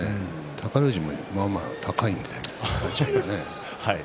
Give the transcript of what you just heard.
宝富士もまあまあ高いんで。